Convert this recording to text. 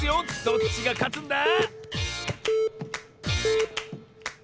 どっちがかつんだ？